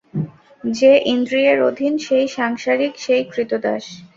যে ইন্দ্রিয়ের অধীন, সেই সংসারিক, সেই ক্রীতদাস।